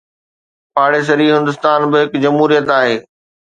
پاڙيسري هندستان به هڪ جمهوريت آهي.